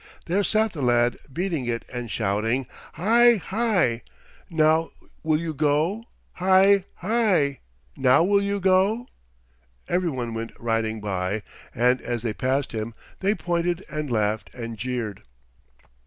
There sat the lad, beating it and shouting, "Hie! Hie! Now will you go? Hie! Hie! Now will you go?" Every one went riding by, and as they passed him they pointed and laughed and jeered.